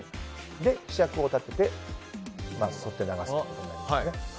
ひしゃくを立てて沿って流すということになります。